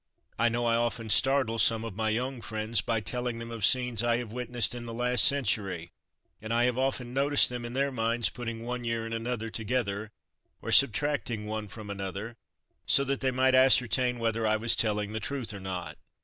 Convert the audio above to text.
I know I often startle some of my young friends by telling them of scenes I have witnessed in the last century, and I have often noticed them in their minds putting one year and another together, or subtracting one from another so that they might ascertain whether I was telling the truth or not.